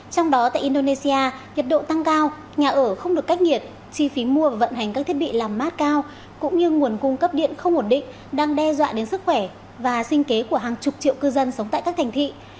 trong đó tại indonesia nhiệt độ tăng cao nhà ở không được cách nhiệt chi phí mua và vận hành các thiết bị làm mát cao cũng như nguồn cung cấp điện không ổn định đang đe dọa đến sức khỏe và sinh kế của hàng chục triệu cư dân sống tại các thành thị